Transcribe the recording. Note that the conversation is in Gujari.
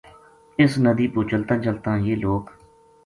اس ندی پو چلتاں چلتاں یہ لوک